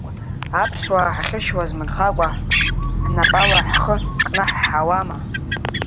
Аԥсуаа ҳахьыршьуа азмырхакәа, ҳнапала ҳхы кнаҳҳауама?